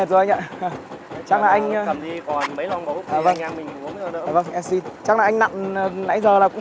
tốt nhất là nằm tầng dưới